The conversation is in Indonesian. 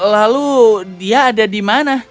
lalu dia ada di mana